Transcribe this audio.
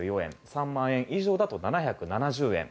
３万円以上だと７７０円。